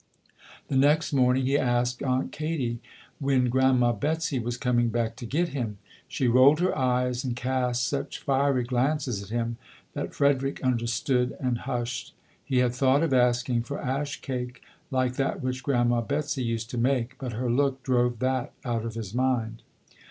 The next morning he asked Aunt Katie when Grandma Betsy was coming back to get him. She rolled her eyes and cast such fiery glances at him that Frederick understood and hushed. He had thought of asking for ash cake like that which Grandma Betsy used to make, but her look drove that out of his mind.